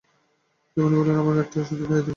যামিনী বলে, আমার একটা ওষুধ খাইয়ে দেবে শশী?